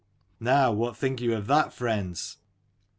Now, what think you of that, friends?"